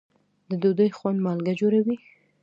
د ډوډۍ خوند مالګه جوړوي.